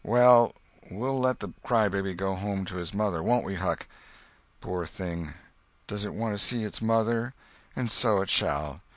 "Well, we'll let the crybaby go home to his mother, won't we, Huck? Poor thing—does it want to see its mother? And so it shall.